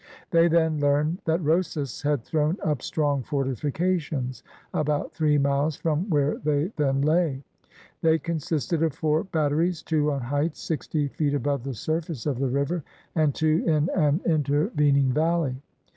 They then learned that Rosas had thrown up strong fortifications about three miles from where they then lay. They consisted of four batteries, two on heights sixty feet above the surface of the river, and two in an intervening valley.